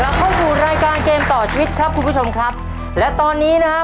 เข้าสู่รายการเกมต่อชีวิตครับคุณผู้ชมครับและตอนนี้นะฮะ